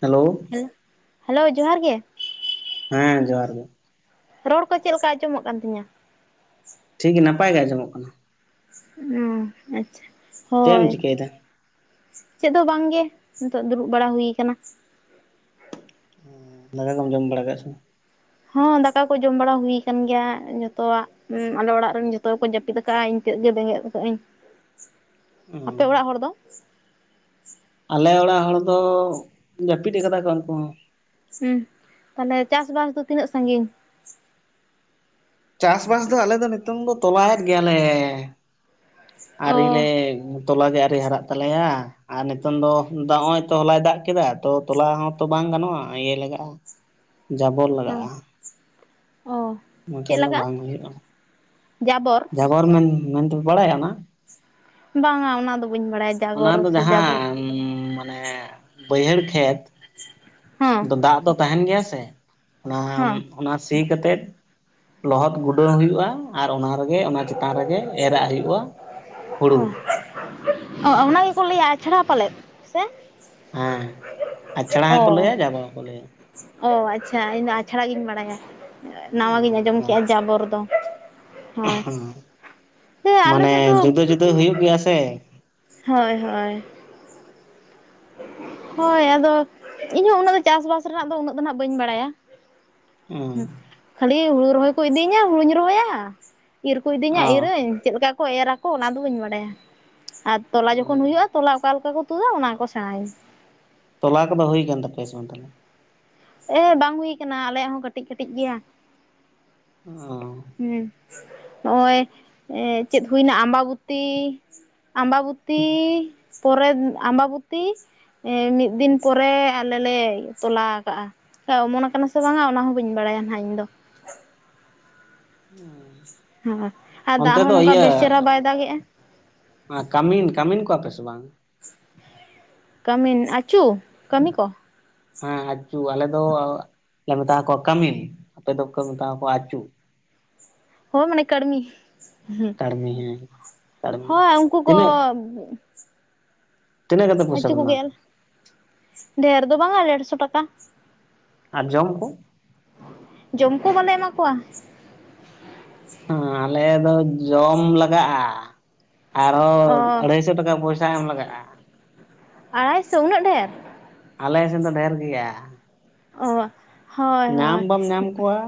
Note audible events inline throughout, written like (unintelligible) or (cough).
Hello hello ᱡᱚᱦᱟᱨ ᱜᱮ ᱦᱮᱸ ᱡᱚᱦᱟᱨ ᱜᱮ ᱨᱚᱲ ᱠᱚ ᱪᱮᱫ ᱞᱮᱠᱟ ᱟᱸᱡᱚᱢᱚᱜ ᱠᱟᱱ ᱛᱤᱧᱟᱹ ᱴᱷᱤᱠ ᱜᱮ ᱱᱟᱯᱟᱭ ᱜᱮ ᱟᱸᱡᱚᱢᱚᱜ ᱠᱟᱱᱟ ᱚᱸ ᱟᱪᱪᱷᱟ ᱪᱮᱫ ᱮᱢ ᱦᱳᱭ ᱪᱤᱠᱟᱹᱭᱮᱫᱟ ᱪᱮᱫ ᱦᱚᱸ ᱵᱟᱝᱜᱮ ᱱᱤᱛᱚᱜ ᱫᱩᱲᱩᱵ ᱵᱟᱲᱟ ᱦᱩᱭ ᱠᱟᱱᱟ ᱫᱟᱠᱟ ᱠᱚᱢ ᱡᱚᱢ ᱵᱟᱲᱟ ᱠᱮᱫᱟᱜ ᱥᱮ ᱦᱚᱸ ᱫᱟᱠᱟ ᱠᱚ ᱡᱚᱢ ᱵᱟᱲᱟ ᱦᱩᱭ ᱟᱠᱟᱱ ᱜᱮᱭᱟ ᱡᱚᱛᱚᱣᱟᱜ ᱟᱞᱮ ᱚᱲᱟᱜ ᱨᱮᱱ ᱡᱚᱛᱚ ᱦᱚᱲᱠᱚ ᱡᱟᱹᱯᱤᱫ ᱠᱟᱜᱼᱟ ᱛᱮᱫ ᱜᱮ ᱵᱮᱸᱜᱮᱫ ᱟᱠᱟᱜ ᱟᱹᱧ ᱟᱯᱮ ᱚᱲᱟᱜ ᱦᱚᱲ ᱫᱚ ᱟᱞᱮ ᱚᱲᱟᱜ ᱦᱚᱲ ᱫᱚ ᱡᱟᱹᱯᱤᱫ ᱟᱠᱟᱫᱟ ᱠᱚ ᱩᱱᱠᱩ ᱦᱚᱸ ᱦᱮᱸ ᱛᱟᱦᱞᱮ ᱪᱟᱥᱵᱟᱥ ᱫᱚ ᱛᱤᱱᱟᱹᱜ ᱥᱟᱺᱜᱤᱧ ᱪᱟᱥᱵᱟᱥ ᱫᱚ ᱟᱞᱮ ᱫᱚ ᱱᱤᱛᱚᱝ ᱫᱚ ᱛᱚᱞᱟᱭᱮᱫ ᱜᱮᱭᱟᱞᱮ ᱟᱨ ᱚ ᱨᱤᱞᱮ ᱛᱚᱞᱟ ᱜᱮ ᱟᱣᱨᱤ ᱦᱟᱨᱟᱜ ᱛᱟᱞᱮᱭᱟ ᱟᱨ ᱱᱤᱛᱚᱝ ᱫᱚ ᱫᱟᱜ ᱱᱚᱜ-ᱚᱭ ᱛᱚ ᱦᱚᱞᱟᱭ ᱫᱟᱜ ᱠᱮᱫᱟ ᱛᱚ ᱛᱚᱞᱟ ᱦᱚᱸᱛᱚ ᱵᱟᱝ ᱜᱟᱱᱚᱜᱼᱟ ᱤᱭᱟᱹ ᱞᱟᱜᱟᱜᱼᱟ (inaudible) ᱡᱟᱵᱚᱨ ᱚ ᱞᱟᱜᱟᱜᱼᱟ ᱚ ᱪᱮᱫ ᱮᱠᱷᱟᱱ ᱫᱚ ᱞᱟᱜᱟᱜᱼᱟ ᱵᱟᱝ ᱦᱩᱭᱩᱜᱼᱟ ᱡᱟᱵᱚᱨ ᱢᱮᱱ ᱢᱮᱱᱫᱚ ᱵᱟᱲᱟᱭ ᱟᱱᱟ ᱵᱟᱝᱟ ᱚᱱᱟ ᱫᱚ ᱵᱟᱹᱧ ᱵᱟᱲᱟᱭᱟ ᱚᱱᱟ ᱡᱟᱜᱚᱨ ᱫᱚ ᱥᱮ ᱡᱟᱵᱚᱨ ᱡᱟᱦᱟᱸ ᱢᱟᱱᱮ ᱵᱟᱹᱭᱦᱟᱹᱲ ᱠᱷᱮᱛ ᱦᱮᱸ ᱫᱟᱜ ᱫᱚ ᱛᱟᱦᱮᱸᱱ ᱜᱮᱭᱟ ᱥᱮ ᱦᱮᱸ ᱚᱱᱟ ᱥᱤ ᱠᱟᱛᱮ ᱞᱚᱦᱚᱫ ᱜᱩᱰᱟᱹᱣ ᱦᱩᱭᱩᱜᱼᱟ ᱟᱨ ᱚᱱᱟ ᱨᱮ ᱚᱱᱟ ᱪᱮᱛᱟᱱ ᱨᱮᱜᱮ ᱮᱨᱟᱜ ᱦᱩᱭᱩᱜᱼᱟ ᱦᱩᱲᱩ ᱠᱚ ᱞᱟᱹᱭᱟ ᱟᱪᱲᱟ ᱯᱟᱞᱮᱫ ᱥᱮ ᱦᱮᱸ ᱟᱪᱷᱲᱟ ᱚ ᱦᱚᱸᱠᱚ ᱞᱟᱹᱭᱟ ᱡᱟᱵᱟ ᱦᱚᱸᱠᱚ ᱞᱟᱹᱭᱟ ᱚ ᱟᱪᱪᱷᱟ ᱤᱧᱫᱚ ᱟᱪᱷᱲᱟ ᱜᱤᱧ ᱵᱟᱲᱟᱭᱟ ᱱᱟᱣᱟ ᱜᱤᱧ ᱟᱸᱡᱚᱢ ᱠᱮᱜᱼᱟ ᱡᱟᱵᱚᱨ ᱫᱚ ᱦᱳᱭ ᱦᱮᱸ ᱟᱞᱮ ᱢᱟᱱᱮ ᱡᱩᱫᱟᱹ ᱡᱩᱫᱟᱹ ᱦᱩᱭᱩᱜ ᱜᱮᱭᱟ ᱥᱮ ᱦᱚᱭ ᱦᱚᱭ ᱦᱳᱭ ᱟᱫᱚ ᱤᱧᱦᱚᱸ ᱩᱱᱟᱹᱜ ᱫᱚ ᱪᱟᱥᱼᱵᱟᱥ ᱨᱮᱱᱟᱜ ᱫᱚ ᱩᱱᱟᱹᱜ ᱫᱚ ᱱᱟᱸᱜ ᱵᱟᱹᱧ ᱵᱟᱲᱟᱭᱟ ᱦᱩᱸ ᱠᱷᱟᱹᱞᱤ ᱦᱩᱲᱩ ᱨᱚᱦᱚᱭ ᱠᱚ ᱤᱫᱤᱭᱤᱧᱟ ᱦᱩᱲᱩᱧ ᱨᱚᱦᱚᱭᱟ ᱤᱨ ᱠᱚ ᱤᱫᱤᱧᱟ ᱚ ᱤᱨᱟᱹᱧ ᱪᱮᱫ ᱞᱮᱠᱟ ᱠᱚ ᱮᱨᱟ ᱠᱚ ᱚᱱᱟᱫᱚ ᱵᱟᱹᱧ ᱵᱟᱰᱟᱭᱟ ᱟᱨ ᱛᱚᱞᱟ ᱡᱚᱠᱷᱚᱱ ᱦᱩᱭᱩᱜᱼᱟ ᱛᱚᱞᱟ ᱚᱠᱟ ᱞᱮᱠᱟ ᱠᱚ ᱛᱩᱫᱟ ᱚᱱᱟ ᱠᱚ ᱥᱮᱬᱟᱤᱧ ᱛᱚᱞᱟ ᱠᱚᱫᱚ ᱦᱩᱭ ᱠᱟᱱ ᱛᱟᱯᱮᱭᱟ ᱥᱮ ᱵᱟᱝ ᱛᱟᱞᱮ ᱮᱻ ᱵᱟᱝ ᱦᱩᱭ ᱠᱟᱱᱟ ᱟᱞᱮᱭᱟᱜ ᱦᱚᱸ ᱠᱟᱹᱴᱤᱡ ᱠᱟᱹᱴᱤᱡ ᱜᱮᱭᱟ ᱦᱩᱸ (unintelligible) ᱱᱚᱜᱼᱚᱭ ᱮᱹᱪᱮᱫ ᱦᱩᱭᱱᱟ ᱟᱵᱟᱵᱚᱛᱤ ᱟᱵᱟᱵᱚᱛᱤᱻ ᱯᱚᱨᱮ ᱟᱵᱟᱵᱚᱛᱤ ᱮᱹ ᱢᱤᱫ ᱫᱤᱱ ᱯᱚᱨᱮᱻ ᱟᱞᱮ ᱞᱮ ᱛᱚᱞᱟ ᱟᱠᱟᱜᱼᱟ ᱚᱢᱚᱱ ᱠᱟᱱᱟ ᱥᱮ ᱵᱟᱝᱟ ᱚᱱᱟ ᱦᱚᱸ ᱵᱟᱹᱧ ᱵᱟᱲᱟᱭᱟ ᱦᱟᱸᱜ ᱤᱧᱫᱚ ᱦᱩᱸ ᱦᱳᱭ ᱟᱨ ᱫᱟᱜ ᱦᱚᱸ ᱱᱚᱝᱠᱟ ᱵᱮᱥ ᱪᱮᱦᱨᱟ ᱵᱟᱭ ᱫᱟᱜ ᱜᱮᱭᱟ ᱠᱟᱹᱢᱤᱱ ᱠᱟᱹᱢᱤᱱ ᱠᱚᱣᱟ ᱯᱮ ᱥᱮ ᱵᱟᱝ ᱠᱟᱹᱢᱤᱱ ᱟᱹᱪᱩ ᱠᱟᱹᱢᱤ ᱠᱚ ᱦᱮᱸ ᱟᱪᱩ ᱟᱞᱮ ᱫᱚ ᱢᱮᱛᱟ ᱠᱚᱣᱟ ᱠᱟᱹᱢᱤᱱ ᱟᱯᱮ ᱫᱚᱠᱚ ᱢᱮᱛᱟ ᱠᱚᱣᱟ ᱟᱹᱪᱩ ᱦᱳ ᱢᱟᱱᱮ ᱠᱟᱹᱲᱢᱤ ᱠᱟᱹᱲᱢᱤ ᱦᱮᱸ ᱠᱟᱲᱢᱤ ᱦᱳᱭ ᱩᱱᱠᱩ ᱠᱚᱻ ᱛᱤᱱᱟᱹᱜ ᱛᱤᱱᱟᱹᱜ ᱠᱟᱛᱮ ᱯᱚᱭᱥᱟ ᱟᱹᱪᱩ ᱯᱮ ᱮᱢᱟ ᱠᱚᱜᱮᱞ ᱠᱚᱣᱟ ᱰᱷᱮᱨ ᱫᱚ ᱵᱟᱝᱼᱟ, ᱰᱮᱹᱲᱥᱚ ᱴᱟᱠᱟ᱾ ᱟᱨ ᱡᱚᱢ ᱠᱚ? ᱡᱚᱢ ᱠᱚ ᱵᱟᱞᱮ ᱮᱢᱟ ᱠᱚᱣᱟ ᱾ ᱦᱚᱸᱟᱞᱮ ᱫᱚ ᱡᱚᱢ ᱞᱟᱜᱟᱜᱼᱟ᱾ ᱚ ᱟᱨᱦᱚᱸ ᱟᱹᱲᱟᱹᱭᱥᱚ ᱴᱟᱠᱟ ᱯᱚᱭᱥᱟ ᱮᱢ ᱞᱟᱜᱟᱜᱼᱟ᱾ ᱟᱲᱮᱭᱥᱚ! ᱩᱱᱟᱹᱜ ᱰᱷᱮᱨ? ᱟᱞᱮ ᱥᱮᱱ ᱫᱚ ᱰᱷᱮᱨ ᱜᱮᱭᱟ᱾ ᱚ ᱦᱳᱭ ᱧᱟᱢ ᱦᱳᱭ ᱵᱟᱢ ᱧᱟᱢ ᱠᱚᱣᱟ᱾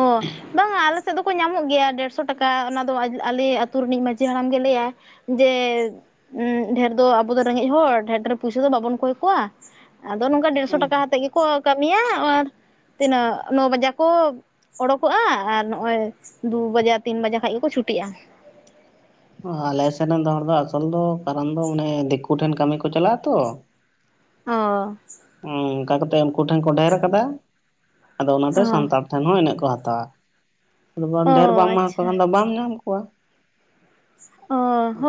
ᱚ ᱵᱟᱝ ᱟᱞᱮ ᱟᱞᱮ ᱥᱮᱫ ᱫᱚᱠᱚ ᱧᱟᱢᱚᱜ ᱜᱮᱭᱟ᱾ ᱰᱮᱹᱲᱥᱚ ᱴᱟᱠᱟ ᱚᱱᱟ ᱫᱚ ᱟᱞᱤᱡ ᱟᱹᱛᱩ ᱨᱤᱱᱤᱡ ᱢᱟᱺᱡᱷᱤ ᱦᱟᱲᱟᱢ ᱜᱮ ᱞᱮᱹᱭᱟᱭ ᱡᱮ ᱦᱩᱸ ᱰᱷᱮᱨ ᱫᱚ ᱟᱵᱚ ᱫᱚ ᱨᱮᱸᱜᱮᱡ ᱦᱚᱲ ᱰᱷᱮᱨ - ᱰᱷᱮᱨ ᱯᱩᱭᱥᱳ ᱫᱚ ᱵᱟᱵᱚᱱ ᱠᱚᱭ ᱠᱚᱣᱟ᱾ ᱟᱫᱚ ᱱᱚᱝᱠᱟ ᱰᱮᱹᱲᱥᱚ ᱴᱟᱠᱟ ᱦᱟᱛᱮᱫ ᱜᱮᱠᱚ ᱠᱟᱹᱢᱤᱭᱟ ᱟᱨ ᱛᱤᱱᱟᱹᱜ ᱱᱚ ᱵᱟᱡᱟᱠ ᱚᱵ ᱚᱰᱳᱠᱚᱜᱼᱟ ᱟᱨ ᱱᱚᱜᱼᱚᱭ ᱫᱩ ᱵᱟᱡᱮᱜ ᱛᱤᱱ ᱵᱟᱡᱮ ᱠᱷᱟᱱ ᱜᱮᱠᱚ ᱪᱷᱩᱴᱤᱜᱼᱟ᱾ (inaudible) ᱟᱞᱮ ᱥᱮᱱ ᱮᱱ ᱫᱚ ᱦᱚᱲ ᱫᱚ ᱟᱥᱚᱞ ᱫᱚ ᱠᱟᱨᱚᱱ ᱫᱚ ᱩᱱᱤ ᱫᱤᱠᱩ ᱴᱷᱮᱱ ᱠᱟᱹᱢᱤ ᱠᱚ ᱪᱟᱞᱟᱜ ᱟᱛᱚ ᱚ ᱚᱱᱠᱟ ᱠᱟᱛᱮ ᱩᱱᱠᱩ ᱴᱷᱮᱱ ᱠᱚ ᱰᱷᱮᱨ ᱠᱟᱫᱟ ᱟᱫᱚ ᱚᱱᱟᱫᱚ ᱚ ᱥᱟᱱᱛᱟᱲ ᱴᱷᱮᱱ ᱦᱚᱸ ᱤᱱᱟᱹᱜ ᱦᱟᱛᱟᱣᱟ ᱟᱫᱚ ᱵᱟᱢ ᱚ ᱰᱷᱮᱨ ᱵᱟᱢ ᱮᱢᱟᱠᱚ ᱟᱪᱪᱷᱟ ᱠᱷᱟᱱ ᱫᱚ ᱵᱟᱢ ᱧᱟᱢ ᱠᱚᱣᱟ ᱚ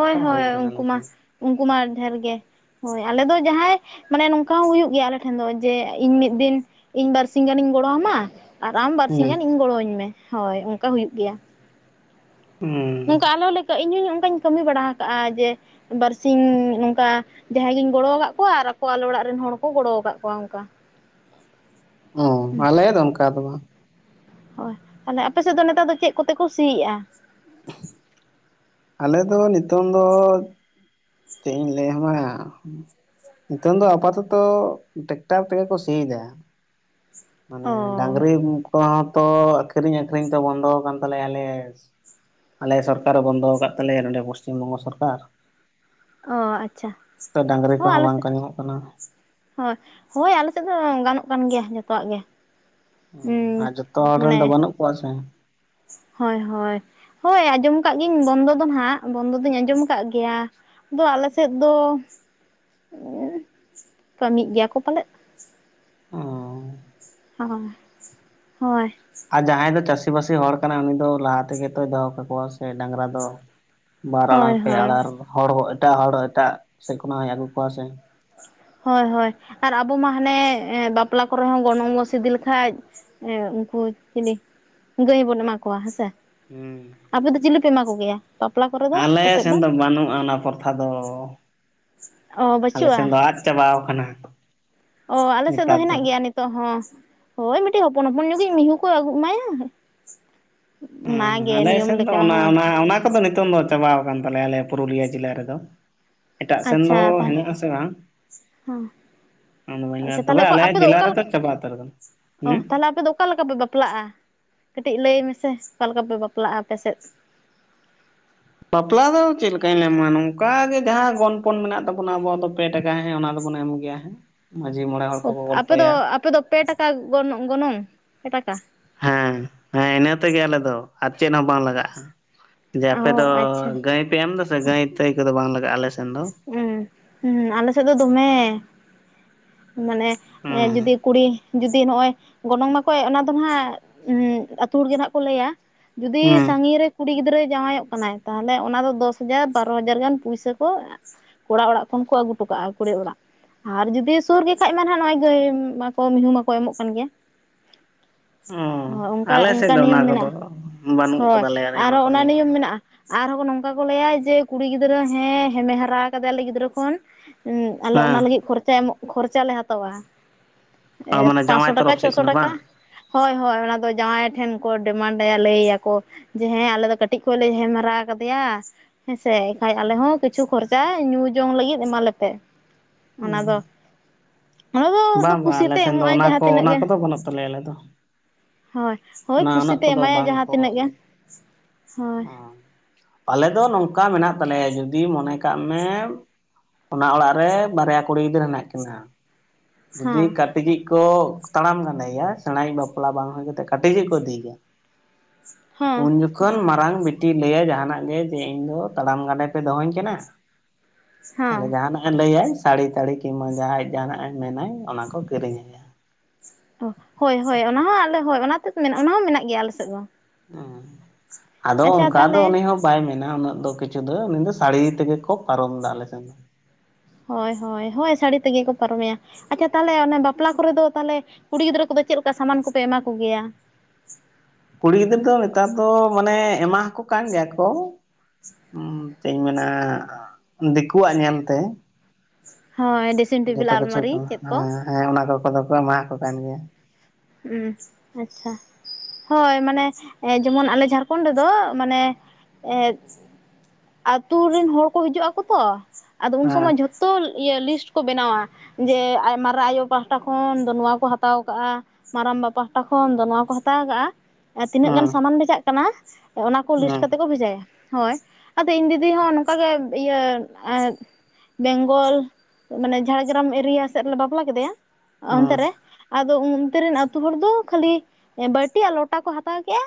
ᱦᱚᱭ ᱦᱚᱭ ᱦᱩᱭ ᱠᱟᱱᱟ ᱟᱞᱮ ᱩᱱᱠᱩ ᱢᱟ ᱥᱮᱱ ᱩᱱᱠᱩ ᱢᱟ ᱰᱷᱮᱨ ᱜᱮ ᱦᱚᱭ ᱟᱞᱮ ᱫᱚ ᱡᱟᱦᱟᱸᱭ ᱢᱟᱱᱮ ᱱᱚᱝᱠᱟ ᱦᱚᱸ ᱦᱩᱭᱩᱜ ᱜᱮᱭᱟ ᱟᱞᱮ ᱴᱷᱮᱱ ᱫᱚ ᱡᱮ ᱤᱧ ᱢᱤᱫ ᱫᱤᱱ ᱤᱧ ᱵᱟᱨᱥᱤ ᱜᱟᱱᱤᱧ ᱜᱚᱲᱚ ᱠᱟᱢᱟ ᱟᱨ ᱟᱢ ᱵᱟᱨᱥᱤ ᱦᱮᱸ ᱜᱟᱱ ᱤᱧ ᱜᱚᱲᱚᱣᱟᱹᱧ ᱢᱮ ᱦᱚᱭ ᱚᱱᱠᱟ ᱦᱩᱭᱩᱜ ᱜᱮᱭᱟ᱾ ᱦᱮᱸ ᱱᱚᱝᱠᱟ ᱟᱞᱚ ᱞᱟᱹᱭᱠᱟᱹᱜ ᱤᱧ ᱦᱩᱭ ᱠᱟᱧ ᱠᱟᱹᱢᱤ ᱵᱟᱲᱟ ᱠᱟᱜᱼᱟ ᱡᱮ ᱵᱟᱨᱥᱤᱧ ᱱᱚᱝᱠᱟ ᱡᱟᱦᱟᱸᱭ ᱜᱤᱧ ᱜᱚᱲᱚᱠᱟᱜ ᱠᱚᱣᱟ ᱟᱨ ᱟᱠᱚ ᱟᱞᱚ ᱚᱲᱟᱜ ᱨᱮᱱ ᱦᱚᱲ ᱠᱚ ᱜᱚᱲᱚ ᱠᱟᱜ ᱠᱚᱣᱟ᱾ ᱚᱱᱠᱟ ᱩᱸ ᱟᱞᱮ ᱫᱚ ᱚᱱᱠᱟ ᱫᱚ ᱵᱟᱝ ᱦᱚᱭ ᱛᱟᱞᱮ ᱟᱯᱮ ᱥᱮᱫ ᱫᱚ ᱱᱮᱛᱟᱨ ᱫᱚ ᱪᱮᱫ ᱠᱚᱛᱮ ᱠᱚ ᱥᱤᱸ ᱮᱼᱟ? (unintelligible) ᱟᱞᱮ ᱫᱚ ᱱᱤᱛᱚᱝ ᱫᱚ ᱪᱮᱜ ᱤᱧ ᱞᱟᱹᱭ ᱟᱢᱟ ᱱᱤᱛᱚᱝ ᱫᱚ ᱟᱯᱟᱛᱚᱛᱚ ᱴᱮᱠᱴᱟᱨ ᱛᱮᱜᱮ ᱠᱚ ᱥᱤᱭᱫᱟ᱾ ᱚ ᱢᱟᱱᱮ ᱰᱟᱝᱨᱤᱧ ᱠᱚᱦᱚᱸ ᱛᱚ ᱟᱹᱠᱷᱨᱤᱧ ᱟᱹᱠᱷᱨᱤᱧ ᱛᱚ ᱵᱚᱱᱫᱚ ᱟᱠᱟᱱ ᱛᱟᱞᱮᱭᱟ‌ ᱟᱞᱮᱥ ᱟᱞᱮ ᱥᱚᱨᱠᱟᱨᱮ ᱵᱚᱱᱫᱚ ᱟᱠᱟᱟᱜ ᱛᱟᱞᱮᱭᱟ ᱱᱚᱰᱮ ᱯᱚᱥᱪᱤᱢ ᱵᱚᱝᱜᱚ ᱥᱚᱨᱠᱟᱨ ᱚ ᱟᱪᱪᱷᱟ ᱛᱚ ᱰᱟᱝᱨᱤ ᱦᱚᱸ ᱠᱚᱦᱚᱸ ᱟᱞᱮ ᱥᱮᱫ ᱵᱟᱝᱠᱚ ᱧᱟᱢᱚᱜ ᱠᱟᱱᱟ ᱦᱳᱭ! ᱦᱳᱭ ᱟᱞᱮ ᱥᱮᱫ ᱫᱚ ᱜᱟᱱᱚᱜ ᱠᱟᱱ ᱜᱮᱭᱟ ᱡᱚᱛᱚᱣᱟᱜ ᱜᱮ ᱦᱮ ᱦᱩᱸ ᱟᱨ ᱡᱚᱛᱚ ᱦᱚᱲ ᱨᱮᱱ ᱫᱚ ᱢᱟᱱᱮ ᱵᱟᱹᱱᱩᱜ ᱠᱚᱣᱟ ᱥᱮ (unintelligible) ᱦᱳᱭ, ᱦᱳᱭ, ᱦᱳᱭ, ᱟᱸᱡᱚᱢ ᱟᱠᱟᱫ ᱜᱤᱧ ᱵᱚᱱᱫᱚ ᱫᱚ ᱱᱟᱦᱟᱜ ᱵᱚᱱᱫᱚ ᱫᱚᱧ ᱟᱸᱡᱚᱢ ᱟᱠᱟᱫ ᱜᱮᱭᱟ᱾ ᱟᱫ ᱟᱞᱮ ᱥᱮᱫ ᱫᱚ ᱠᱟᱹᱢᱤ ᱮᱫ ᱜᱮᱭᱟ ᱠᱚ ᱯᱟᱞᱮᱫ ᱚ ᱚ ᱟᱨ ᱡᱟᱦᱟᱸᱭ ᱫᱚ ᱪᱟᱹᱥᱤᱵᱟᱹᱥᱤ ᱦᱚᱲ ᱠᱟᱱᱟᱭ ᱩᱱᱤ ᱫᱚ ᱞᱟᱦᱟ ᱛᱮᱜᱮ ᱛᱚᱭ ᱫᱚᱦᱚ ᱠᱟᱠᱚᱣᱟ ᱥᱮ ᱰᱟᱝᱨᱟ ᱫᱚ ᱵᱟᱨ ᱟᱲᱟᱨ ᱦᱳᱭ ᱯᱮ ᱦᱳᱭ ᱟᱲᱟᱨ ᱦᱚᱲ ᱦᱚᱸ ᱮᱴᱟᱜ ᱦᱚᱲ ᱮᱴᱟᱜ ᱥᱮᱫ ᱠᱷᱚᱱᱟᱜ ᱦᱚ ᱟᱹᱜᱩ ᱠᱚᱣᱟ ᱥᱮ (unintelligible) ᱦᱳᱭ ᱦᱳᱭ ᱟᱨ ᱟᱵᱚ ᱢᱟ ᱦᱟᱱᱮ ᱵᱟᱯᱞᱟ ᱠᱚᱨᱮ ᱦᱚᱸ ᱜᱚᱱᱚᱝ ᱜᱚ ᱤᱫᱤ ᱞᱮᱠᱷᱟᱡ ᱠᱚ ᱪᱤᱞᱤ ᱜᱟᱹᱭ ᱵᱚᱱ ᱮᱢᱟ ᱠᱚᱣᱟ ᱦᱮᱸᱥᱮ ᱦᱮᱸ ᱟᱯᱮ ᱫᱚ ᱪᱤᱞᱤ ᱮᱢᱟ ᱠᱚᱜᱮᱭᱟ ᱵᱟᱯᱞᱟ ᱠᱚᱨᱮ ᱫᱚ ᱟᱞᱮ ᱟᱯᱮ ᱥᱮᱫ ᱫᱚ ᱵᱟᱹᱱᱩᱜᱼᱟ, ᱚᱱᱟ ᱯᱨᱚᱛᱷᱟ ᱫᱚ ᱚ ᱟᱞᱮ ᱥᱮᱱ ᱫᱚ ᱟᱫ ᱪᱟᱵᱟᱟᱣ ᱠᱟᱱᱟ᱾ ᱚᱻ ᱟᱞᱮ ᱥᱮᱫ ᱫᱚ ᱦᱮᱱᱟᱜ ᱜᱮᱭᱟ ᱱᱤᱛᱚᱜ ᱦᱚᱸ ᱦᱳᱭ ᱢᱤᱫᱴᱤᱡ ᱦᱚᱯᱚᱱ ᱦᱚᱯᱚᱱ ᱦᱚᱯᱚᱱ ᱱᱚᱜᱤᱡ ᱢᱤᱦᱩ ᱠᱚ ᱮᱢᱟᱭᱟ᱾ ᱦᱩᱸ ᱚᱱᱟᱜᱮ ᱟᱞᱮ ᱱᱤᱭᱚᱢ ᱥᱮᱱ ᱫᱚ ᱞᱮᱠᱟ ᱚᱱᱟ ᱦᱳᱭ ᱚᱱᱟ ᱚ ᱠᱚᱫᱚ ᱱᱤᱛᱚᱝ ᱫᱚ ᱪᱟᱵᱟ ᱟᱠᱟᱱ ᱛᱟᱞᱮᱭᱟ ᱟᱞᱮ ᱯᱩᱨᱩᱞᱤᱭᱟᱹ ᱡᱮᱞᱟ ᱨᱮᱫᱚ᱾ ᱮᱴᱟᱜ ᱥᱮᱱ ᱫᱚ ᱟᱪᱪᱷᱟ ᱛᱟᱦᱚᱞᱮ ᱢᱮᱱᱟᱜᱮᱱᱟᱜ ᱟᱥᱮ ᱵᱟᱝ ᱦᱮᱸ ᱚᱱᱟ ᱫᱚ ᱵᱟᱹᱭ ᱟᱪᱪᱷᱟ ᱛᱚᱵᱮ ᱛᱟᱦᱚᱞᱮ ᱟᱞᱮᱭᱟᱜ ᱟᱯᱮ ᱫᱚ ᱡᱮᱞᱟ ᱚᱠᱟ ᱨᱮᱫᱚ ᱞᱮᱠᱟ ᱪᱟᱵᱟ ᱩᱛᱟᱨ ᱟᱠᱟᱱᱟ᱾ ᱚ ᱛᱟᱦᱞᱮ ᱟᱯᱮ ᱫᱚ ᱚᱠᱟ ᱞᱮᱠᱟ ᱯᱮ ᱵᱟᱯᱞᱟᱜᱼᱟ? ᱠᱟᱹᱴᱤᱡ ᱞᱟᱹᱭ ᱢᱮᱥᱮ ᱚᱠᱟ ᱞᱮᱠᱟ ᱯᱮ ᱵᱟᱯᱞᱟᱜᱼᱟ ᱟᱯᱮ ᱥᱮᱫ ᱵᱟᱯᱞᱟ ᱫᱚ ᱪᱮᱫ ᱞᱮᱠᱟᱧ ᱞᱟᱭᱢᱟ ᱱᱚᱝᱠᱟᱜ ᱜᱮ ᱡᱟᱦᱟᱸ ᱜᱚᱱᱯᱚᱱ ᱢᱮᱱᱟᱜ ᱛᱟᱵᱚᱱᱟ ᱟᱵᱚᱣᱟᱜ ᱫᱚ ᱯᱮ ᱴᱟᱠᱟ ᱦᱮᱸ ᱚᱱᱟ ᱫᱚ ᱵᱚᱱ ᱮᱢ ᱜᱮᱭᱟ ᱦᱮᱸ ᱢᱟᱺᱡᱷᱤ ᱢᱚᱬᱮ ᱦᱚᱲ ᱠᱚᱠᱚ ᱟᱯᱮ ᱫᱚ ᱜᱚᱞᱯᱷᱚᱭᱟ ᱟᱯᱮᱫ ᱫᱚ ᱯᱮ ᱴᱟᱠᱟ ᱜᱚᱱ ᱜᱚᱱᱚᱝ ᱯᱮ ᱴᱟᱠᱟ ᱦᱮᱸ ᱦᱮᱸ ᱤᱱᱟᱹ ᱛᱮᱜᱮ ᱟᱞᱮ ᱫᱚ ᱟᱨ ᱪᱮᱫ ᱦᱚᱸ ᱵᱟᱝ ᱞᱟᱜᱟᱜᱼᱟ᱾ ᱡᱮ ᱚ ᱟᱯᱮ ᱫᱚ ᱟᱪᱪᱷᱟ ᱜᱟᱹᱭ ᱯᱮ ᱮᱢ ᱫᱟᱥᱮ ᱜᱟᱹᱭ ᱛᱟᱹᱭ ᱠᱚᱫᱚ ᱵᱟᱝ ᱞᱟᱜᱟᱜᱼᱟ ᱟᱞᱮ ᱥᱮᱫ ᱦᱸ ᱦᱮᱸ ᱟᱞᱮ ᱥᱮᱫ ᱫᱚ ᱫᱚᱢᱮ ᱢᱟᱱᱮ ᱦᱩᱸ ᱡᱩᱫᱤ ᱠᱩᱲᱤ ᱱᱚᱜᱼᱚᱭ ᱜᱚᱱᱚᱝ ᱢᱟᱠᱚ ᱚᱱᱟ ᱫᱚ ᱦᱟᱜ ᱟᱛᱩ ᱦᱚᱲ ᱜᱮ ᱱᱦᱟᱜ ᱠᱚ ᱞᱟᱹᱭᱟ ᱡᱩᱫᱤ ᱦᱩᱸ ᱥᱟᱺᱜᱤᱧ ᱨᱮ ᱠᱩᱲᱤ ᱜᱤᱫᱽᱨᱟᱹᱭ ᱡᱟᱶᱟᱭᱚᱜ ᱠᱟᱱᱟᱭ ᱛᱟᱦᱚᱞᱮ ᱚᱱᱟ ᱫᱚ ᱫᱚᱥ ᱦᱟᱡᱟᱨ ᱵᱟᱨᱳ ᱦᱟᱡᱟᱨ ᱜᱟᱱ ᱯᱩᱭᱥᱟᱹ ᱠᱚ ᱠᱚᱲᱟ ᱚᱲᱟᱜ ᱠᱷᱚᱱ ᱠᱚ ᱟᱹᱜᱩ ᱦᱚᱴᱚ ᱠᱟᱜᱼᱟ ᱠᱩᱲᱤ ᱚᱲᱟᱜ ᱟᱨ ᱡᱩᱫᱤ ᱥᱩᱨ ᱜᱮ ᱠᱷᱟᱡ ᱢᱟ ᱱᱚᱜᱚᱭ ᱜᱟᱹᱭ ᱢᱟ ᱠᱚ ᱢᱤᱦᱩ ᱢᱟᱠᱚ ᱮᱢᱚᱜ ᱠᱟᱱ ᱜᱮᱭᱟ᱾ ᱚ ᱦᱳᱭ ᱚᱱᱠᱟ ᱟᱞᱮ ᱚᱱᱠᱟ ᱥᱮᱫ ᱫᱚ ᱱᱤᱭᱚᱢ ᱚᱱᱟ ᱠᱚᱫᱚ ᱢᱮᱱᱟᱜᱼᱟ ᱵᱟᱹᱱᱩᱜ ᱦᱳᱭ ᱠᱟᱫᱟᱞᱮᱭᱟ ᱟᱨᱚ ᱠᱚ ᱚᱱᱟ ᱱᱤᱭᱚᱢ ᱫᱚ ᱢᱮᱱᱟᱜᱼᱟ ᱟᱨᱦᱚᱸ ᱱᱚᱝᱠᱟ ᱠᱚ ᱞᱟᱹᱭᱟ ᱡᱮ ᱠᱩᱲᱤ ᱜᱤᱫᱽᱨᱟᱹ ᱦᱮᱸ ᱦᱮᱢᱮ ᱦᱟᱨᱟ ᱠᱟᱫᱮᱭᱟᱞᱮ ᱜᱤᱫᱽᱨᱟᱹ ᱠᱷᱚᱱ ᱦᱮᱸ ᱟᱞᱮ ᱚᱱᱟ ᱦᱮᱸ ᱞᱟᱹᱜᱤᱫ ᱠᱷᱚᱨᱪᱟ ᱮᱢᱚᱜ ᱠᱷᱚᱨᱪᱟ ᱞᱮ ᱦᱟᱛᱟᱣᱟ᱾ ᱚ ᱢᱟᱱᱮ ᱡᱟᱶᱟᱭ ᱯᱟᱸᱥᱥᱚ ᱛᱚᱨᱚᱯ ᱴᱟᱠᱟ ᱥᱮᱫ ᱪᱷᱚᱥᱚ ᱠᱷᱚᱱᱟᱜ ᱴᱟᱠᱟ ᱵᱟᱝ ᱦᱳᱭ ᱦᱳᱭ ᱚᱱᱟ ᱫᱚ ᱡᱟᱶᱟᱭ ᱴᱷᱮᱱ ᱠᱚ ᱰᱤᱢᱟᱱᱰᱟ ᱞᱟᱹᱭᱭᱟᱠᱚ ᱡᱮ ᱦᱮᱸ ᱟᱞᱮ ᱫᱚ ᱠᱟᱹᱴᱤᱡ ᱠᱷᱚᱱ ᱞᱮ ᱦᱮᱢ ᱦᱟᱨᱟ ᱠᱟᱫᱮᱭᱟ ᱦᱮᱸᱥᱮ ᱵᱷᱟᱹᱭ ᱟᱞᱮ ᱦᱚᱸᱠᱤᱪᱷᱩ ᱠᱷᱚᱨᱪᱟ ᱧᱩ ᱡᱚᱝ ᱞᱟᱹᱜᱤᱫ ᱮᱢᱟᱞᱮᱯᱮ ᱚ ᱚᱱᱟ ᱫᱚ ᱚᱱᱟ ᱫᱚ ᱵᱟᱝ ᱵᱟᱝ ᱟᱞᱮ ᱠᱩᱥᱤᱛᱮ ᱥᱮᱱ ᱫᱚ ᱮᱢᱚᱜ-ᱟᱭ ᱚᱱᱟ ᱡᱟᱦᱟᱸ ᱠᱚ ᱛᱤᱱᱟᱹᱜ ᱚᱱᱟ ᱜᱮ ᱠᱚᱫᱚ ᱵᱟᱹᱱᱩᱜ ᱛᱟᱞᱮᱭᱟ ᱟᱞᱮ ᱫᱚ ᱦᱳᱭ ᱦᱳᱭ ᱚᱱᱟ ᱩᱱᱟᱹᱜ ᱠᱩᱥᱤᱛᱮ ᱠᱚᱫᱚ ᱮᱢᱟᱭᱟ ᱵᱟᱝ ᱡᱟᱦᱟᱸ ᱠᱚ ᱛᱤᱱᱟᱹᱜ ᱚ ᱜᱮ ᱦᱳᱭ ᱟᱞᱮ ᱫᱚ ᱱᱚᱝᱠᱟ ᱢᱮᱱᱟᱜ ᱛᱟᱞᱮᱭᱟ ᱡᱩᱫᱤ ᱢᱚᱱᱮ ᱠᱟᱜ ᱢᱮ ᱚᱱᱟ ᱚᱲᱟᱜ ᱨᱮ ᱵᱟᱨᱭᱟ ᱠᱩᱲᱤ ᱜᱤᱫᱽᱟᱹᱨᱟᱹ ᱦᱮᱱᱟᱜ ᱠᱤᱱᱟ ᱡᱩᱫᱤ ᱦᱚᱸ ᱠᱟᱹᱴᱤᱡᱤᱡ ᱠᱚ ᱛᱟᱲᱟᱢ ᱜᱟᱸᱰᱮᱭᱟ ᱥᱮᱬᱟᱭ ᱵᱟᱯᱞᱟ ᱵᱟᱝ ᱦᱩᱭ ᱠᱟᱛᱮᱫ ᱠᱟᱹᱴᱤᱡᱤᱡ ᱠᱚ ᱤᱫᱤᱭ ᱜᱮᱭᱟ ᱦᱚᱸ ᱩᱱ ᱡᱚᱠᱷᱚᱱ ᱢᱟᱨᱟᱝ ᱵᱤᱴᱤᱭ ᱞᱟᱹᱭᱟ ᱡᱟᱦᱟᱸ ᱱᱟᱜ ᱜᱮ ᱡᱮ ᱤᱧ ᱫᱚ ᱛᱟᱲᱟᱢ ᱜᱟᱸᱰᱮ ᱯᱮ ᱫᱚᱦᱚᱧ ᱠᱟᱱᱟ ᱛᱟᱦᱞᱮ ᱡᱟᱦᱟᱸ ᱱᱟᱜᱼᱮ ᱞᱟᱹᱭᱟᱭ ᱥᱟᱹᱲᱤ ᱛᱟᱹᱲᱤ ᱠᱤᱝᱵᱟ ᱡᱟᱦᱟᱸᱭ ᱡᱟᱦᱟᱸ ᱱᱟᱜ ᱮ ᱢᱮᱱᱟᱭ ᱚᱱᱟ ᱠᱚ ᱠᱤᱨᱤᱧ ᱟᱭᱟ ᱚ ᱦᱳᱭ ᱦᱳᱭ ᱚᱱᱟ ᱦᱚᱸ ᱟᱞᱮ ᱦᱳᱭ ᱚᱱᱟ ᱛᱮᱫ ᱢᱮᱱᱟᱜ ᱚᱱᱟ ᱢᱮᱱᱟᱜ ᱜᱮᱭᱟ ᱟᱞᱮ ᱥᱮᱫ ᱫᱚ ᱟᱫᱚ ᱟᱪᱪᱷᱟ ᱚᱱᱠᱟ ᱫᱚ ᱛᱟᱦᱚᱞᱮ ᱩᱱᱤ ᱦᱚᱸ ᱵᱟᱭ ᱢᱮᱱᱟ ᱩᱱᱟᱹᱜ ᱫᱚ ᱠᱤᱪᱷᱩ ᱫᱚ ᱢᱮᱱᱫᱚ ᱥᱟᱹᱲᱤ ᱛᱮᱜᱮ ᱠᱚ ᱯᱟᱨᱚᱢ ᱫᱟ ᱟᱞᱮ ᱥᱮᱱ ᱫᱚ ᱦᱳᱭ ᱦᱳᱭ ᱦᱳᱭ ᱥᱟᱹᱲᱤ ᱛᱮᱜᱮ ᱠᱚ ᱯᱟᱨᱚᱢᱮᱭᱟ ᱟᱪᱪᱷᱟ ᱛᱟᱦᱚᱞᱮ ᱚᱱᱮ ᱵᱟᱯᱞᱟ ᱠᱚᱨᱮ ᱫᱚ ᱛᱟᱦᱚᱞᱮ ᱠᱩᱲᱤ ᱜᱤᱫᱽᱨᱟᱹ ᱠᱚᱫᱚ ᱟᱫᱚ ᱪᱮᱫ ᱞᱮᱠᱟ ᱥᱟᱢᱟᱱ ᱠᱚᱯᱮ ᱮᱢᱟ ᱠᱚ ᱜᱮᱭᱟ? ᱠᱩᱲᱤ ᱜᱤᱫᱟᱹᱨ ᱫᱚ ᱱᱮᱛᱟᱨ ᱫᱚ ᱢᱟᱱᱮ ᱮᱢᱟ ᱟᱠᱚ ᱠᱟᱱ ᱜᱮᱭᱟ ᱠᱚ (unintelligible) ᱪᱮᱫ ᱤᱧ ᱢᱮᱱᱟ ᱫᱤᱠᱩᱣᱟᱜ ᱧᱮᱞᱛᱮ ᱦᱳᱭ ᱰᱨᱮᱥᱤᱝ ᱴᱮᱵᱤᱞ ᱡᱚᱛᱚ ᱠᱤᱪᱷᱩ ᱠᱚ ᱟᱞᱢᱟᱨᱤ ᱪᱮᱫ ᱦᱮᱸ ᱦᱮᱸ ᱚᱱᱟ ᱠᱚ ᱠᱚᱫᱚ ᱠᱚ ᱮᱢᱟ ᱟᱠᱚ ᱠᱟᱱ ᱜᱮᱭᱟ᱾ ᱦᱮᱸ ᱟᱪᱪᱷᱟ ᱦᱳᱭ ᱢᱟᱱᱮ ᱡᱮᱢᱚᱱ ᱟᱞᱮ ᱡᱷᱟᱲᱠᱷᱚᱸᱰ ᱨᱮᱫᱚ ᱢᱟᱱᱮ ᱮᱻ ᱟᱛᱩ ᱨᱮᱱ ᱦᱚᱲ ᱠᱚ ᱦᱤᱡᱩᱜ ᱟᱠᱚ ᱛᱚ ᱟᱫᱚ ᱩᱱ ᱥᱚᱢᱚᱭ ᱡᱷᱚᱛᱚ ᱤᱭᱟᱹ ᱞᱤᱥᱴ ᱠᱚ ᱵᱮᱱᱟᱣᱟ ᱡᱮ ᱢᱟᱨᱟᱜ ᱟᱭᱳ ᱯᱟᱦᱴᱟ ᱠᱷᱚᱱ ᱫᱚ ᱱᱚᱣᱟ ᱠᱚ ᱦᱟᱛᱟᱣ ᱠᱟᱜ-ᱟ᱾ ᱢᱟᱨᱟᱢᱵᱟ ᱯᱟᱦᱴᱟ ᱠᱷᱚᱱ ᱫᱚ ᱱᱚᱣᱟ ᱠᱚ ᱦᱟᱛᱟᱣ ᱠᱟᱜᱼᱟ ᱛᱤᱱᱟᱹᱜ ᱜᱟᱱ ᱦᱮᱸ ᱥᱟᱢᱟᱱ ᱵᱷᱮᱡᱟᱜ ᱠᱟᱱᱟ ᱚᱱᱟ ᱠᱚ ᱞᱤᱥᱴ ᱦᱮᱸ ᱠᱟᱛᱮᱫ ᱠᱚ ᱵᱷᱮᱡᱟᱭᱟ᱾ ᱦᱳᱭ ᱟᱫᱚ ᱤᱧ ᱫᱤᱫᱤ ᱦᱚᱸ ᱱᱚᱝᱠᱟᱜᱮ ᱤᱭᱟᱹ ᱵᱮᱝᱜᱚᱞ ᱢᱟᱱᱮ ᱡᱷᱟᱲᱜᱨᱟᱢ ᱮᱨᱤᱭᱟ ᱥᱮᱫ ᱨᱮᱞᱮ ᱵᱟᱯᱞᱟ ᱠᱮᱫᱮᱭᱟ ᱚᱱᱛᱮ ᱦᱮᱸ ᱨᱮ ᱟᱫᱚ (unintelligible) (unintelligible) ᱨᱮᱱ ᱟᱹᱛᱩ ᱦᱚᱲ ᱫᱚ ᱠᱷᱟᱹᱞᱤ ᱵᱟᱹᱴᱤ ᱟᱨ ᱞᱚᱴᱟ ᱠᱚ ᱦᱟᱛᱟᱣ ᱠᱮᱫᱼᱟ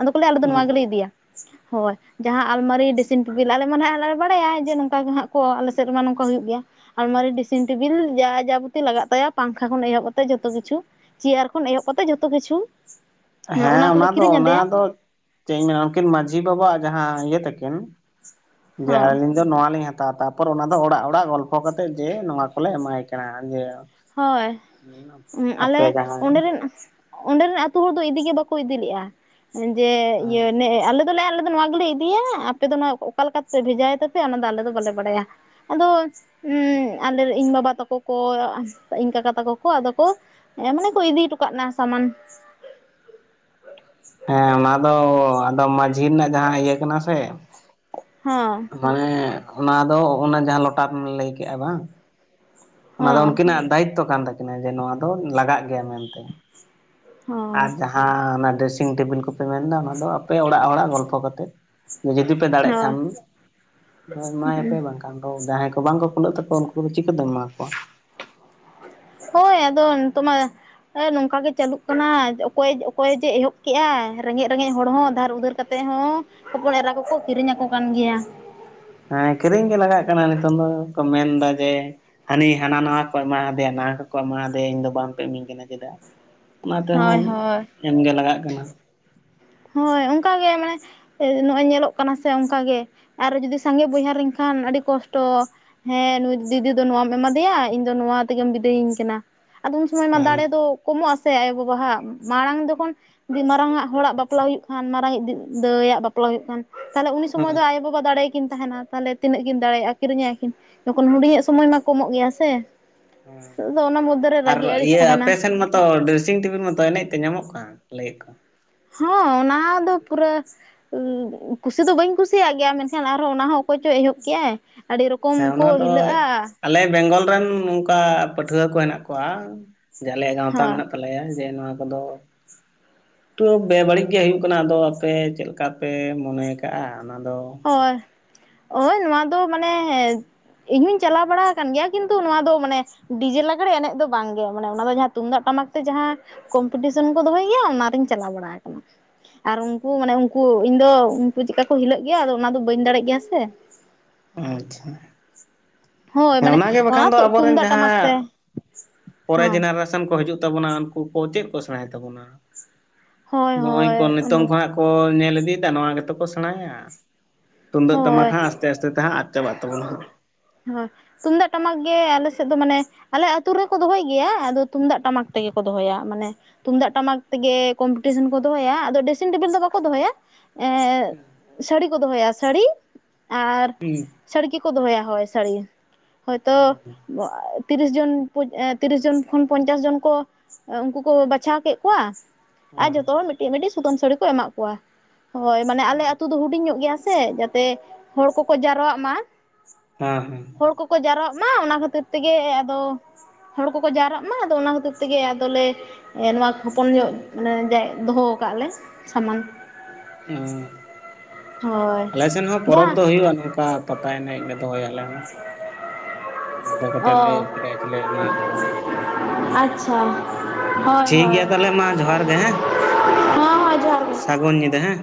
ᱟᱫᱚ ᱠᱚ ᱞᱟᱹᱭᱟ ᱟᱞᱮ ᱫᱚ ᱦᱮᱸ ᱱᱚᱣᱟ ᱜᱮᱞᱮ ᱤᱫᱤᱭᱟ ᱦᱳᱭ ᱡᱟᱦᱟᱸ ᱟᱞᱢᱟᱨᱤ ᱰᱤᱥᱤᱱ ᱴᱤᱵᱤᱞ ᱟᱞᱮ ᱢᱟ ᱱᱟᱸᱜ ᱟᱞᱮ ᱞᱮ ᱵᱟᱲᱟᱭᱟ ᱡᱮ ᱱᱚᱝᱠᱟ ᱜᱮ ᱦᱟᱸᱜ ᱠᱚ ᱟᱞᱮ ᱥᱮᱫ ᱨᱮᱢᱟ ᱱᱚᱝᱠᱟ ᱦᱩᱭᱩᱜ ᱜᱮᱭᱟ ᱟᱨᱞᱢᱟᱨᱤ ᱰᱨᱮᱥᱤᱝ ᱴᱮᱵᱤᱞ ᱡᱟ ᱡᱟᱵᱚᱛᱤ ᱞᱟᱜᱟᱜ ᱛᱟᱭᱟ ᱯᱟᱝᱠᱷᱟ ᱠᱷᱚᱱ ᱮᱦᱚᱵ ᱠᱟᱛᱮ ᱡᱚᱛᱚ ᱠᱤᱪᱷᱩ ᱪᱮᱭᱟᱨ ᱠᱷᱚᱱ ᱮᱦᱚᱵ ᱠᱟᱛᱮ ᱡᱚᱛᱚ ᱠᱤᱪᱷᱩ ᱦᱮᱸ ᱠᱚᱞᱮ ᱚᱱᱟ ᱫᱚ ᱠᱤᱨᱤᱧ ᱚᱱᱟ ᱟᱫᱮᱭᱟ ᱫᱚ ᱪᱮᱫ ᱤᱧ ᱢᱮᱱᱟ ᱩᱱᱠᱤᱱ ᱢᱟᱺᱡᱷᱤ ᱵᱟᱵᱟᱣᱟᱜ ᱡᱟᱦᱟᱸ ᱤᱭᱟᱹ ᱛᱟᱹᱠᱤᱱ ᱡᱮ ᱦᱮᱸ ᱟᱹᱞᱤᱧ ᱫᱚ ᱱᱚᱣᱟ ᱞᱤᱧ ᱦᱟᱛᱟ ᱛᱟᱯᱚᱨ ᱚᱱᱟ ᱫᱚ ᱚᱲᱟᱜ ᱚᱲᱟᱜ ᱜᱚᱞᱯᱷᱚ ᱠᱟᱛᱮᱫ ᱡᱮ ᱱᱚᱣᱟ ᱠᱚᱞᱮ ᱮᱢᱟᱭ ᱠᱟᱱᱟ ᱡᱮ ᱦᱳᱭ ᱟᱞᱮ ᱟᱯᱮ ᱚᱸᱰᱮ ᱡᱟᱦᱟᱸᱭ ᱨᱮᱱ ᱚᱸᱰᱮ ᱨᱮᱱ ᱟᱛᱳ ᱦᱚᱲ ᱤᱫᱤ ᱜᱮ ᱵᱟᱠᱚ ᱤᱫᱤ ᱞᱮᱜᱼᱟ ᱡᱮ ᱤᱭᱟᱹ ᱱᱚᱸᱜᱚᱭ ᱟᱞᱮ ᱱᱚᱶᱟ ᱜᱮᱞᱮ ᱤᱫᱤᱭᱟ ᱟᱯᱮ ᱫᱚ ᱱᱚᱶᱟ ᱚᱠᱟ ᱞᱮᱠᱟ ᱯᱮ ᱵᱷᱮᱡᱟ ᱟᱭ ᱛᱟᱯᱮ ᱚᱱᱟ ᱫᱚ ᱟᱞᱮ ᱫᱚ ᱵᱟᱞᱮ ᱵᱟᱲᱟᱭᱟ ᱟᱫᱚ ᱟᱞᱮ ᱤᱧ ᱵᱟᱵᱟ ᱛᱟᱠᱚ ᱠᱚ ᱤᱧ ᱠᱟᱠᱟ ᱛᱟᱠᱚ ᱠᱚ ᱟᱫᱚ ᱠᱚ ᱢᱟᱱᱮ ᱠᱚ ᱤᱫᱤ ᱦᱚᱴᱚ ᱠᱟᱜ ᱱᱟ ᱥᱟᱢᱟᱱ (inaudible) ᱦᱮᱸ ᱚᱱᱟ ᱫᱚ ᱟᱫᱚ ᱢᱟᱺᱡᱷᱤ ᱨᱮᱱᱟᱜ ᱡᱟᱦᱟᱸ ᱤᱭᱟᱹ ᱠᱟᱱᱟ ᱥᱮ ᱦᱚᱸ ᱢᱟᱱᱮ ᱚᱱᱟ ᱫᱚ ᱚᱱᱟ ᱡᱟᱦᱟᱸ ᱞᱚᱴᱟᱨᱢ ᱞᱟᱹᱭ ᱠᱮᱜᱼᱟ ᱵᱟᱝ ᱚᱱᱟ ᱫᱚ ᱦᱚᱸ ᱩᱱᱠᱤᱱᱟᱜ ᱫᱟᱭᱤᱛᱛᱚ ᱠᱟᱱ ᱛᱟᱹᱠᱤᱱᱟ ᱡᱮ ᱱᱚᱣᱟ ᱫᱚ ᱞᱟᱜᱟᱜ ᱜᱮᱭᱟ ᱢᱮᱱᱛᱮ ᱦᱳᱭ ᱟᱨ ᱡᱟᱦᱟᱸ ᱚᱱᱟ ᱰᱨᱮᱥᱤᱝ ᱴᱮᱵᱩᱞ ᱠᱚ᱾ ᱯᱮ ᱢᱮᱱ ᱮᱫᱟ ᱚᱱᱟ ᱫᱚ ᱟᱯᱮ ᱚᱲᱟᱜ ᱦᱚᱲᱟᱜ ᱜᱚᱞᱯᱷᱚ ᱠᱟᱛᱮᱫ ᱡᱩᱫᱤ ᱯᱮ ᱫᱟᱲᱮᱜ ᱦᱳᱭ ᱠᱷᱟᱱ ᱟᱫᱚ ᱮᱢᱟᱭᱟᱯᱮ ᱵᱟᱝᱠᱷᱟᱱ ᱫᱚ ᱡᱟᱦᱟᱸᱭ ᱠᱚ ᱵᱟᱝᱠᱚ ᱠᱩᱞᱟᱹᱜ ᱛᱟᱠᱚᱣᱟ ᱩᱱᱠᱩᱫᱚ ᱪᱤᱠᱟᱹᱛᱮᱢ ᱮᱢᱟ ᱠᱚᱣᱟ ᱦᱳᱭ ᱟᱫᱚ ᱱᱤᱛᱳᱜ ᱢᱟ ᱦᱮᱸ ᱱᱚᱝᱠᱟ ᱜᱮ ᱪᱟᱹᱞᱩᱜ ᱠᱟᱱᱟ ᱚᱠᱚᱭ ᱚᱠᱚᱭ ᱡᱮ ᱮᱦᱚᱵ ᱠᱮᱜᱼᱟ ᱨᱮᱸᱜᱮᱡ ᱨᱮᱸᱜᱮᱡ ᱦᱚᱲ ᱦᱚᱸ ᱫᱷᱟᱨ ᱩᱫᱟᱹᱨ ᱠᱟᱛᱮ ᱚᱸᱰᱮ ᱦᱚᱸ ᱦᱚᱯᱚᱱ ᱮᱨᱟ ᱠᱚᱠᱚ ᱠᱤᱨᱤᱧ ᱟᱠᱚ ᱠᱟᱱ ᱜᱮᱭᱟ ᱦᱮᱸ ᱠᱤᱨᱤᱧ ᱜᱮ ᱞᱟᱜᱟᱜ ᱠᱟᱱᱟ ᱱᱤᱛᱚᱝ ᱫᱚ ᱠᱚ ᱢᱮᱱᱫᱟ ᱡᱮ ᱦᱟᱹᱱᱤ ᱦᱟᱱᱟ ᱱᱟᱣᱟ ᱠᱚ ᱮᱢᱟᱫᱮᱭᱟ ᱱᱟᱣᱟ ᱠᱚᱠᱚ ᱮᱢᱟᱫᱮᱭᱟ ᱤᱧ ᱫᱚ ᱵᱟᱝᱯᱮ ᱤᱢᱟᱹᱧ ᱠᱟᱱᱟ ᱪᱮᱫᱟᱜ (inaudible) ᱚᱱᱟ ᱦᱳᱭ ᱛᱮᱦᱚᱸ ᱦᱳᱭ ᱮᱢᱜᱮ ᱞᱟᱜᱟᱜ ᱠᱟᱱᱟ ᱦᱳᱭ ᱚᱱᱠᱟᱜᱮ ᱢᱟᱱᱮ ᱱᱚᱜᱼᱚᱭ ᱧᱮᱞᱚᱜ ᱠᱟᱱᱟ ᱥᱮ ᱚᱱᱠᱟᱜᱮ ᱟᱨ ᱡᱩᱫᱤ ᱥᱟᱸᱜᱮ ᱵᱚᱭᱦᱟ ᱞᱮᱱᱠᱷᱟᱱ ᱠᱷᱟᱱ ᱟᱹᱰᱤ ᱠᱚᱥᱴᱚ ᱦᱮᱸ ᱱᱩᱭ ᱫᱤᱫᱤ ᱫᱚ ᱱᱚᱣᱟᱢ ᱮᱢᱟ ᱫᱮᱭᱟ ᱤᱧ ᱫᱚ ᱱᱚᱣᱟ ᱛᱮᱜᱮᱢ ᱵᱤᱫᱟᱹᱭᱤᱧ ᱠᱟᱱᱟ ᱟᱫᱚ ᱩᱱ ᱥᱚᱢᱚᱭ ᱢᱟ ᱦᱮᱸ ᱫᱟᱲᱮ ᱫᱚ ᱠᱚᱢᱚᱜ ᱟᱥᱮ ᱟᱭᱳᱼᱵᱟᱵᱟᱣᱟᱜ ᱢᱟᱲᱟᱝ ᱡᱚᱠᱷᱚᱱ ᱢᱟᱨᱟᱝ ᱟᱜ ᱦᱚᱲᱟᱜ ᱵᱟᱯ ᱵᱟᱯᱞᱟ ᱦᱩᱭᱩᱜ ᱠᱷᱟᱱ ᱢᱟᱨᱟᱝ ᱤᱡ ᱫᱟᱹᱭᱟᱜ ᱵᱟᱯᱞᱟ ᱦᱩᱭᱩᱜ ᱠᱟᱱ ᱛᱟᱦᱚᱞᱮ ᱩᱱᱤ ᱥᱚᱢᱚᱭ ᱦᱮᱸ ᱫᱚ ᱟᱭᱳ ᱵᱟᱵᱟ ᱫᱟᱲᱮᱭ ᱠᱤᱱ ᱛᱟᱦᱮᱱᱟ ᱛᱟᱦᱚᱞᱮ ᱛᱤᱱᱟᱹᱜ ᱠᱤᱱ ᱫᱟᱲᱮᱭᱟᱜᱼᱟ ᱠᱤᱨᱤᱧᱟᱭᱠᱤᱱ ᱢᱩᱸᱠᱩᱴ ᱢᱚᱱᱤ ᱦᱮᱪ ᱥᱚᱢᱚᱭ ᱢᱟ ᱠᱚᱢᱚᱜ ᱜᱮᱭᱟ ᱥᱮ ᱦᱮᱸ ᱟᱫᱚ ᱚᱱᱟ ᱢᱚᱫᱽᱫᱷᱮ ᱨᱮ ᱟᱨ ᱨᱟᱹᱜᱤ ᱟᱹᱲᱤᱥ ᱤᱭᱟᱹ ᱛᱟᱦᱮᱱᱟ ᱟᱯᱮ ᱥᱮᱫ ᱢᱟᱛᱚ ᱰᱨᱮᱥᱤᱝ ᱴᱮᱵᱤᱞ ᱢᱟᱛᱚ ᱮᱱᱮᱡ ᱛᱮ ᱧᱟᱢᱚᱜ ᱠᱟᱱ ᱞᱟᱹᱭ ᱠᱚ ᱦᱚᱸ ᱚᱱᱟ ᱫᱚ ᱯᱩᱨᱟᱹ ᱩᱸ ᱠᱩᱥᱤ ᱫᱚ ᱵᱟᱹᱧ ᱠᱩᱥᱤᱭᱟᱜ ᱜᱮᱭᱟ ᱢᱮᱱᱠᱷᱟᱱ ᱟᱨᱦᱚᱸ ᱱᱟᱸᱦᱟᱜ ᱯᱚᱨᱡᱚᱱᱛ (inaudible) ᱮᱦᱚᱵ ᱠᱮᱭᱟᱭ ᱦᱮᱸ ᱚᱱᱟ ᱫᱚ ᱟᱞᱮ ᱵᱮᱝᱜᱚᱞ ᱨᱮᱱ ᱱᱚᱝᱠᱟ ᱯᱟᱹᱴᱷᱩᱣᱟᱹ ᱠᱚ ᱦᱮᱱᱟᱜ ᱠᱚᱣᱟ ᱡᱮ ᱟᱞᱮᱭᱟᱜ ᱜᱟᱶᱛᱟ ᱦᱚᱸ ᱢᱮᱱᱟᱜ ᱛᱟᱞᱮᱭᱟ ᱡᱮ ᱱᱚᱣᱟ ᱠᱚᱫᱚ ᱛᱚ ᱵᱮᱵᱟᱹᱲᱤᱡ ᱜᱮ ᱦᱩᱭᱩᱜ ᱠᱟᱱᱟ ᱟᱫᱚ ᱟᱯᱮ ᱪᱮᱫᱞᱮᱠᱟ ᱯᱮ ᱢᱚᱱᱮ ᱠᱟᱜᱼᱟ ᱚᱱᱟ ᱫᱚ ᱦᱳᱭ ᱳᱭ ᱱᱚᱣᱟ ᱫᱚ ᱢᱟᱱᱮ ᱤᱧ ᱦᱚᱸᱩᱧ ᱪᱟᱞᱟᱣ ᱵᱟᱲᱟ ᱟᱠ ᱠᱟᱱ ᱜᱮᱭᱟ ᱠᱤᱱᱛᱩ ᱱᱚᱣᱟ ᱫᱚ ᱢᱟᱱᱮ ᱰᱤᱡᱮ ᱞᱟᱜᱽᱲᱮ ᱮᱱᱮᱡ ᱫᱚ ᱵᱟᱝᱜᱮ ᱢᱟᱱᱮ ᱚᱱᱟ ᱫᱚ ᱛᱩᱢᱫᱟᱜ ᱴᱟᱢᱟᱠ ᱴᱟᱢᱟᱠ ᱛᱮ ᱡᱟᱸᱦᱟ ᱠᱚᱢᱯᱤᱴᱤᱥᱚᱱ ᱠᱚ ᱫᱚᱦᱚᱭ ᱜᱮᱭᱟ ᱚᱱᱟᱨᱤᱧ ᱪᱟᱞᱟᱣ ᱵᱟᱲᱟ ᱟᱠᱟᱱᱟ ᱟᱨ ᱩᱱᱟᱱ ᱢᱟᱱᱮ ᱩᱱᱠᱩ ᱤᱧ ᱫᱚ ᱩᱱᱠᱩ ᱪᱮᱫᱮᱠᱟ ᱠᱚ ᱦᱤᱞᱟᱹᱜ ᱜᱮᱭᱟ ᱟᱫᱚ ᱚᱱᱟ ᱫᱚ ᱵᱟᱹᱧ ᱫᱟᱲᱮᱭᱟᱜ ᱜᱮᱭᱟ ᱥᱮ ᱟᱪᱪᱷᱟ ᱦᱳᱭ ᱦᱮᱸ ᱢᱟᱱᱮ ᱚᱱᱟᱜᱮ ᱚᱱᱟ ᱵᱟᱠᱷᱟᱱ ᱫᱚ ᱟᱵᱚᱨᱮᱱ ᱛᱩᱢᱫᱟᱜ ᱴᱟᱢᱟᱠ ᱡᱟᱦᱟᱸ ᱛᱮ ᱯᱚᱨᱮ ᱦᱚᱸ ᱡᱮᱱᱟᱨᱮᱥᱚᱱ ᱠᱚ ᱦᱤᱡᱩᱜ ᱛᱟᱵᱚᱱᱟ ᱱᱩᱠᱩ ᱠᱚ ᱪᱮᱫ ᱠᱚ ᱥᱮᱬᱟᱭ ᱛᱟᱵᱚᱱᱟ ᱦᱳᱭ ᱱᱚᱜᱼᱚᱭ ᱦᱳᱭ ᱠᱚ ᱱᱤᱛᱚᱝ ᱠᱷᱚᱱᱟᱜ ᱠᱚ ᱧᱮᱞ ᱞᱟᱹᱱᱫᱤᱛᱮ ᱱᱚᱣᱟ ᱜᱮ ᱠᱚ ᱥᱮᱬᱟᱭᱟ ᱛᱩᱢᱫᱟᱹᱜ ᱴᱟᱢᱟᱠ ᱦᱳᱭ ᱦᱟᱸᱜ ᱟᱥᱛᱮ ᱟᱥᱛᱮ ᱛᱮ ᱦᱟᱸᱜ ᱪᱟᱵᱟᱜ ᱛᱟᱵᱚᱱᱟ ᱦᱳᱭ ᱛᱩᱢᱫᱟᱜ ᱴᱟᱢᱟᱠ ᱜᱮ ᱟᱞᱮᱮᱥᱮᱫ ᱫᱚ ᱢᱟᱱᱮ ᱟᱞᱮ ᱟᱛ ᱨᱮᱠᱚ ᱫᱚᱦᱚᱭ ᱜᱮᱭᱟ ᱟᱫᱚ ᱛᱩᱢᱫᱟᱜ ᱴᱟᱢᱟᱠ ᱜᱮ ᱫᱚᱦᱚᱭᱟ ᱢᱟᱱᱮ ᱛᱩᱢᱫᱟᱜ ᱴᱟᱢᱟᱠ ᱛᱮᱜᱮ ᱠᱚᱢᱯᱤᱴᱤᱥᱚᱱ ᱠᱚ ᱫᱚᱦᱚᱭᱟ ᱟᱫᱚ ᱰᱮᱥᱤᱝ ᱴᱮᱵᱤᱞ ᱫᱚ ᱵᱟᱠᱚ ᱫᱚᱦᱚᱭᱟ ᱮᱸᱜ ᱥᱟᱹᱲᱤ ᱠᱚ ᱫᱚᱦᱚᱭᱟ ᱥᱟᱹᱲᱤ ᱟᱨ ᱦᱩᱸ ᱥᱟᱹᱲᱤ ᱜᱤᱠᱚ ᱫᱚᱦᱚᱭᱟ ᱦᱚᱭᱳ ᱥᱟᱹᱲᱤ ᱦᱳᱭᱛᱚ ᱛᱤᱨᱤᱥ ᱡᱚᱱ ᱛᱤᱨᱤᱥ ᱡᱚᱱ ᱠᱷᱚᱱ ᱯᱚᱧᱪᱟᱥ ᱡᱚᱱ ᱠᱚ ᱩᱱᱠᱩ ᱠᱚ ᱵᱟᱪᱷᱟᱣ ᱠᱮᱫ ᱠᱚᱣᱟ ᱟᱨ ᱡᱚᱛᱚ ᱦᱚᱲ ᱢᱤᱫᱴᱤᱡ ᱢᱤᱫᱴᱤᱡ ᱥᱩᱛᱟᱹᱢ ᱥᱟᱹᱲᱤ ᱠᱚ ᱮᱢᱟᱜ ᱠᱚᱣᱟ ᱦᱳᱭ ᱢᱟᱱᱮ ᱟᱞᱮ ᱦᱮᱸ ᱟᱛᱩ ᱫᱚ ᱦᱩᱰᱤᱧ ᱧᱚᱜ ᱜᱮᱭᱟ ᱥᱮ ᱡᱟᱛᱮ ᱦᱚᱲ ᱠᱚᱠᱚ ᱡᱟᱣᱨᱣᱟᱜ ᱢᱟ ᱦᱮᱸ ᱦᱮᱸ ᱦᱚᱲ ᱠᱚᱠᱚ ᱡᱟᱣᱨᱣᱟᱜ ᱢᱟ ᱢᱟ ᱚᱱᱟ ᱠᱷᱟᱹᱛᱤᱨ ᱛᱮᱜᱮ ᱟᱫᱚ ᱦᱚᱲ ᱠᱚᱠᱚ ᱡᱟᱣᱨᱟᱜ ᱢᱟ ᱟᱫᱚ ᱚᱱᱟ ᱠᱷᱟᱹᱛᱤᱨ ᱛᱮᱜᱮ ᱟᱫᱚᱞᱮ ᱱᱚᱣᱟ ᱦᱚᱯᱚᱱ ᱧᱚᱜ ᱚᱱᱮ ᱡᱟᱭ ᱫᱚᱦᱚ ᱠᱟᱜ ᱞᱮ ᱥᱟᱢᱟᱱ ᱚ ᱦᱳᱭ ᱟᱞᱮ ᱥᱮᱮᱫ ᱦᱚᱸ ᱯᱚᱨᱚᱵᱽ ᱡᱟᱦᱟᱸ ᱫᱚ ᱦᱩᱭᱩᱜᱼᱟ ᱱᱚᱝᱠᱟ ᱯᱟᱛᱟ ᱮᱱᱮᱡ ᱞᱮ ᱫᱚᱦᱚᱭᱟᱞᱮ ᱦᱚᱸ ᱚᱱᱠᱟ ᱠᱟ ᱚ ᱠᱟᱛᱮᱮᱫ ᱞᱮ ᱯᱨᱮᱭᱟᱪ ᱞᱮ ᱮᱢᱟ ᱠᱚᱣᱟ ᱟᱪᱪᱷᱟ ᱦᱳᱭ ᱦᱳᱭ ᱴᱷᱤᱠᱜᱮᱭᱟ ᱛᱟᱦᱚᱞᱮ ᱢᱟ ᱡᱚᱦᱟᱨ ᱜᱮ ᱦᱮᱸ ᱦᱚᱸ ᱦᱚᱸ ᱡᱚᱦᱟᱨ ᱜᱮ ᱥᱟᱹᱜᱩᱱ ᱧᱤᱫᱟᱹ ᱦᱮᱸ